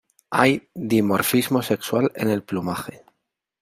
Hay dimorfismo sexual en el plumaje.